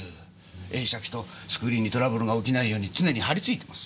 映写機とスクリーンにトラブルが起きないように常に張り付いてます。